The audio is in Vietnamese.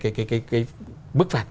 cái bức phạt